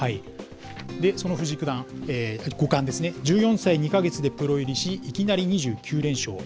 その藤井五冠、１４歳２か月でプロ入りし、いきなり２９連勝。